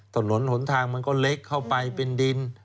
ถนนหนทางมันก็เล็กเข้าไปเป็นดิน